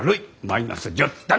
マイナス１０点！